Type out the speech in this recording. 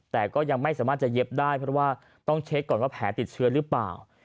แต่ก็ยังไม่สามารถจะเย็บได้เพราะว่าต้องเช็คก่อนว่าแผลติดเชื้อหรือเปล่า